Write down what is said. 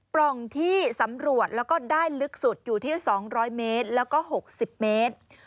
ปล่องที่สำรวจแล้วก็ได้ลึกสุดอยู่ที่๒๐๐เมตรแล้วก็๖๐เมตร